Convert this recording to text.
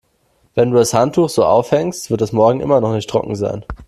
Wenn du das Handtuch so aufhängst, wird es morgen immer noch nicht trocken sein.